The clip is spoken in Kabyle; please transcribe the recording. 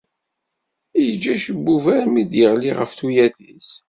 Yeǧǧa acebbub armi d-yeɣli ɣef tuyat-is.